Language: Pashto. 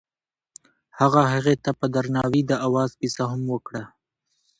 هغه هغې ته په درناوي د اواز کیسه هم وکړه.